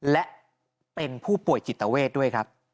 และเป็นผู้ป่วยจิตเวทด้วยครับ